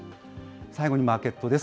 最後にマーケットです。